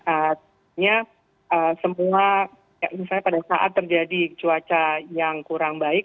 artinya semua misalnya pada saat terjadi cuaca yang kurang baik